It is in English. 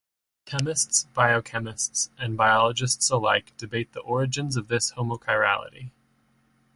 Chemists, biochemists, and biologists alike debate the origins of this homochirality.